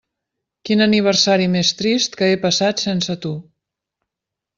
Quin aniversari més trist que he passat sense tu.